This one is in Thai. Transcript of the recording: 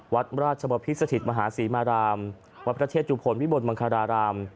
วัดราชบพิษสถิตมหาศรีมารามวัดพระเชตุพลวิบลมังคาราราม